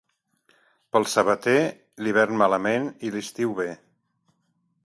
Pel sabater, l'hivern malament i l'estiu bé.